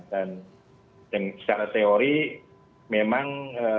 dan secara teori memang